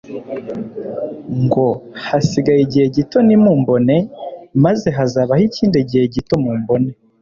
ngo : "Hasigaye igihe gito ntimumbone, maze hazabaho ikindi gihe gito mumbone.